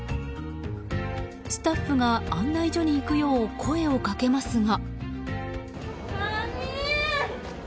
スタッフが案内所に行くよう声をかけますが。